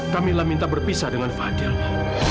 kamila minta berpisah dengan fadil ma